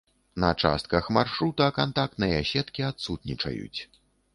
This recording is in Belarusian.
На частках маршрута кантактныя сеткі адсутнічаюць.